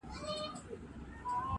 یانې مرګ پسې مې ټول جهان را ووت ,